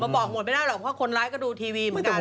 บอกหมดไม่ได้หรอกเพราะคนร้ายก็ดูทีวีเหมือนกัน